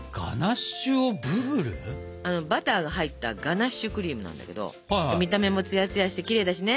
バターが入ったガナッシュクリームなんだけど見た目もツヤツヤしてきれいだしね。